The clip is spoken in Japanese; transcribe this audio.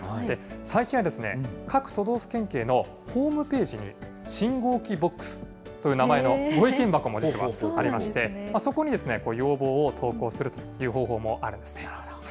最近は、各都道府県警のホームページに、信号機ＢＯＸという名前のご意見箱も実はありまして、そこに要望を投稿するという方法もあるんですね。